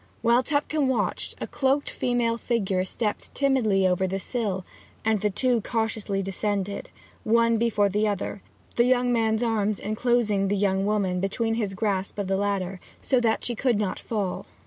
While Tupcombe watched, a cloaked female figure stepped timidly over the sill, and the two cautiously descended, one before the other, the young man's arms enclosing the young woman between his grasp of the ladder, so that she could not fall.